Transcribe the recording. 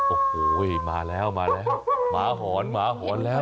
โอ้โหมาแล้วมาแล้วหมาหอนหมาหอนแล้ว